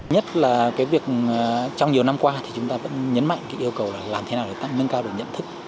nhất là cái việc trong nhiều năm qua thì chúng ta vẫn nhấn mạnh cái yêu cầu là làm thế nào để tăng nâng cao được nhận thức